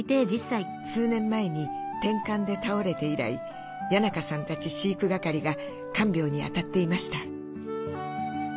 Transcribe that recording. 数年前にてんかんで倒れて以来谷仲さんたち飼育係が看病にあたっていました。